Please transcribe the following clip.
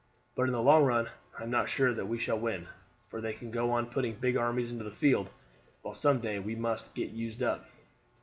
But in the long run I am not sure that we shall win, for they can go on putting big armies into the field, while some day we must get used up.